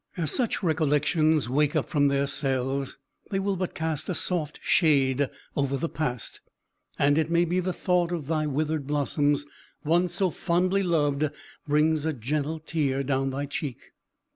As such recollections wake up from their cells, they will but cast a soft shade over the past; and it may be the thought of thy withered blossoms, once so fondly loved, brings a gentle tear down thy cheek.